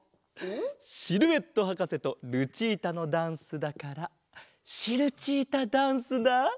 シルエットはかせとルチータのダンスだからシルチータダンスだ！